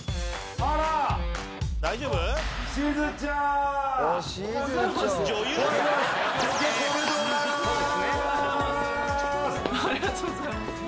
ありがとうございます。